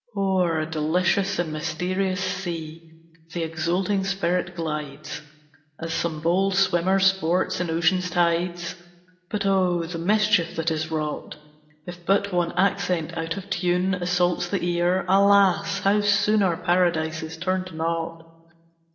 O'er a delicious and mysterious sea, The exulting spirit glides, As some bold swimmer sports in Ocean's tides: But oh, the mischief that is wrought, If but one accent out of tune Assaults the ear! Alas, how soon Our paradise is turned to naught!